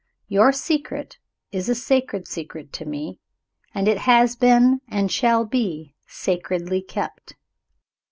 Your secret is a sacred secret to me; and it has been, and shall be, sacredly kept.